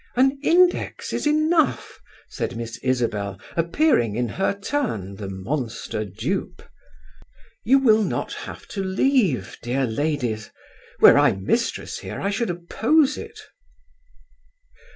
"An index is enough," said Miss Isabel, appearing in her turn the monster dupe. "You will not have to leave, dear ladies. Were I mistress here I should oppose it."